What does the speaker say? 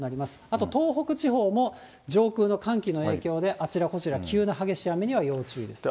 あと東北地方も、上空の寒気の影響で、あちらこちら、急な激しい雨には要注意です。